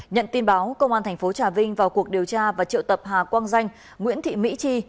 nhận tin báo công an tp trà vinh vào cuộc điều tra và triệu tập hà quang danh nguyễn thị mỹ chi